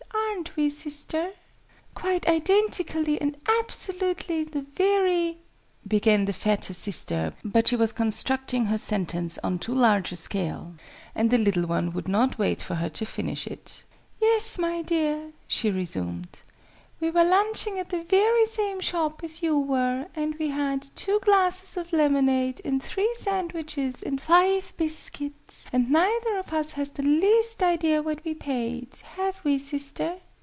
Aren't we, sister?" "Quite identically and absolutely the very " began the fatter sister, but she was constructing her sentence on too large a scale, and the little one would not wait for her to finish it. "Yes, my dear," she resumed; "we were lunching at the very same shop as you were and we had two glasses of lemonade and three sandwiches and five biscuits and neither of us has the least idea what we paid. Have we, sister?"